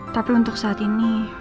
tapi untuk saat ini